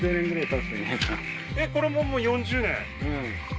えっこれももう４０年？